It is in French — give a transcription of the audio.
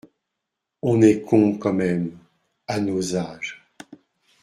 On est con, quand même. À nos âges…